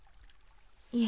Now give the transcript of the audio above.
いえ。